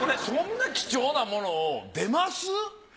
そんな貴重なもの出ます？